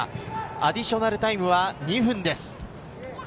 アディショナルタイムは２分です。